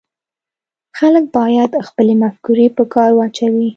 خلک باید خپلې مفکورې په کار واچوي